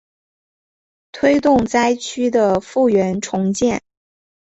推动灾区的复原重建